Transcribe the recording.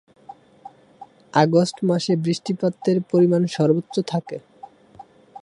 August মাসে বৃষ্টিপাতের পরিমাণ সর্বোচ্চ থাকে।